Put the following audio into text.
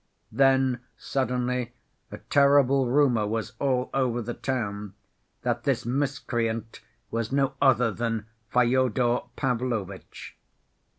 Then suddenly a terrible rumor was all over the town that this miscreant was no other than Fyodor Pavlovitch.